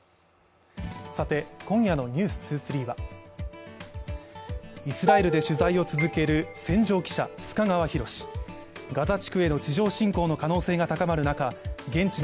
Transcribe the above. さて今夜の「ｎｅｗｓ２３」はイスラエルで取材を続ける戦場記者須賀川拓優勝は舘様か？